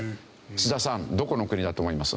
須田さんどこの国だと思います？